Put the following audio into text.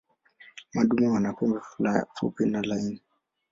Madume wana pembe fupi na laini.